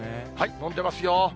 飲んでますよ。